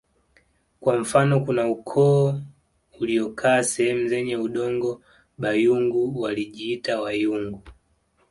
Kwa mfano kuna ukoo uliokaa sehemu zenye udongo Bayungu walijiita Wayungu